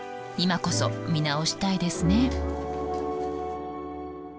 今こそ見直したいですね。